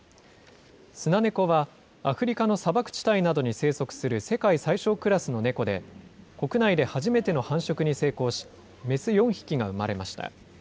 スナネコは、アフリカの砂漠地帯などに生息する世界最小クラスのネコで、国内で初めての繁殖に成功し、雌４匹が生まれました。